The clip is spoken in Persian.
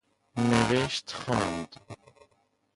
نوشت خواند